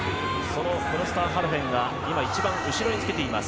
クロスターハルフェンが一番後ろにつけています。